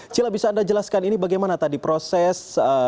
cila bisa anda jelaskan ini bagaimana tadi proses